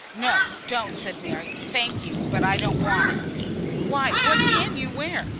"No, don't!" said Mary; "thank you, but I don't want it." "Why, what can you wear?